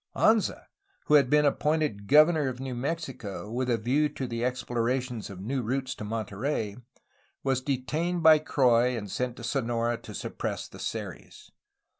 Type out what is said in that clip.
Anza, who had been appointed governor of New Mexico with a view to the exploration of new routes to Monterey, was detained by Croix and sent to Sonora to suppress the Seris.